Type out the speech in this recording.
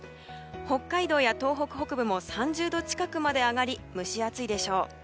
北海道や東北北部も３０度近くまで上がり蒸し暑いでしょう。